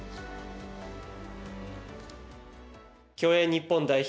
競泳日本代表